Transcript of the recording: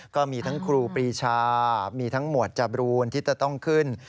ก็มีทั้งครูปรีชามีทั้งหมวดจบรูนที่จะต้องขึ้น